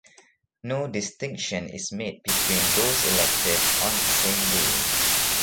No distinction is made between those elected on the same day.